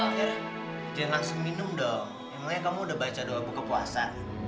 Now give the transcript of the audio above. akhirnya dia langsung minum dong emangnya kamu udah baca doa buka puasa